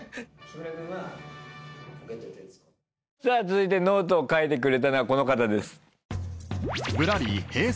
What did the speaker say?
続いてノートを書いてくれたのはこの方です。